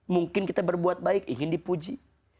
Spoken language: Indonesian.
mungkin kita berbuat baik ingin dipuji